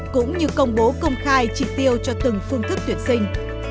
cũng như công bố công khai trị tiêu cho từng phương thức tuyển sinh